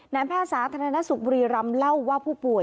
แพทย์สาธารณสุขบุรีรำเล่าว่าผู้ป่วย